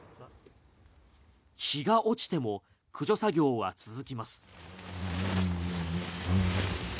日が落ちても駆除作業は続きます。